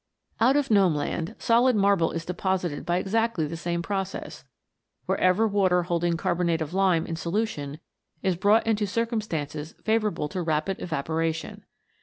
Out of Gnome land, solid marble is deposited by exactly the same process, wherever water holding carbonate of lime in solution is brought into cir cumstances favourable to rapid evaporation.